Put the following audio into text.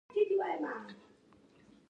منفي خبرې د خلکو تر منځ واټن زیاتوي.